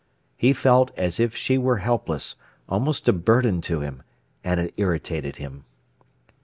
He felt as if she were helpless, almost a burden to him, and it irritated him.